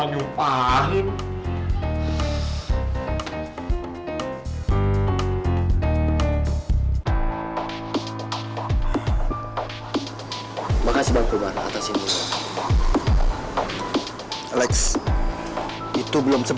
ya amah tidak bener sih